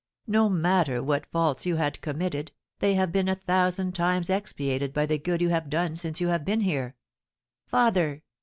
No matter what faults you had committed, they have been a thousand times expiated by the good you have done since you have been here." "Father!"